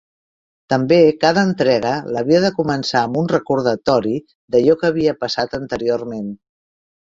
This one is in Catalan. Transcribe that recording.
També cada entrega l'havia de començar amb un recordatori d'allò que havia passat anteriorment.